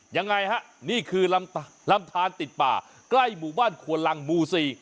ยังไงฮะนี่คือลำทานติดป่าใกล้หมู่บ้านควนลังหมู่สี่